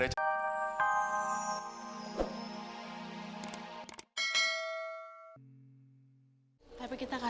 ya mana gue tau